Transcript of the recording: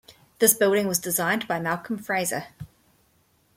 This building was designed by Malcolm Fraser.